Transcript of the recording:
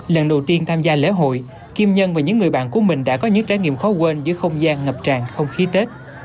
lần đầu tiên tham gia lễ hội kim nhân và những người bạn của mình đã có những trải nghiệm khó quên giữa không gian ngập tràn không khí tết